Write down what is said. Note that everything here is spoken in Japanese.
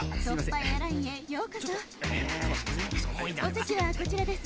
お席はこちらです。